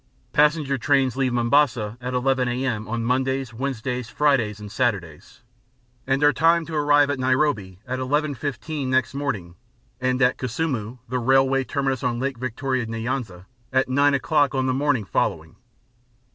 Passenger trains leave Mombasa at 11 a.m. on Mondays, Wednesdays, Fridays, and Saturdays, and are timed to arrive at Nairobi at 11:15 next morning and at Kisumu (the railway terminus on Lake Victoria Nyanza) at 9 o'clock on the morning following.